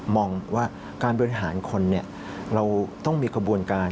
มองว่าการบริหารคนเราต้องมีกระบวนการ